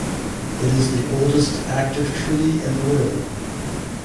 It is the oldest active treaty in the world.